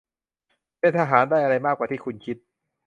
เป็นทหาร ได้อะไร มากกว่าที่คุณคิด